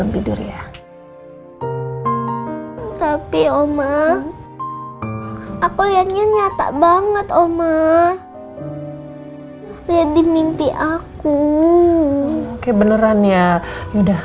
tidur ya tapi omak aku yang nyata banget omak jadi mimpi aku oke beneran ya udah